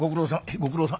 「ご苦労さん」。